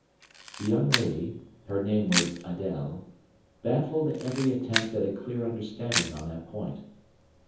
The young lady (her name was Adèle) baffled every attempt at a clear understanding on that point.